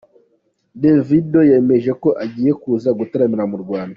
Davido yemeje ko agiye kuza gutaramira mu Rwanda.